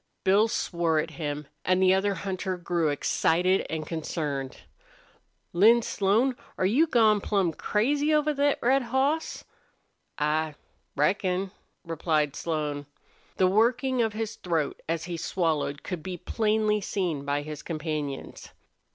Bill swore at him, and the other hunter grew excited and concerned. "Lin Slone, are you gone plumb crazy over thet red hoss?" "I reckon," replied Slone. The working of his throat as he swallowed could be plainly seen by his companions.